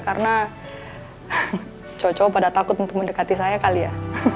karena cowok cowok pada takut untuk mendekati saya kali ya